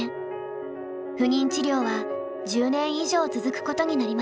不妊治療は１０年以上続くことになりました。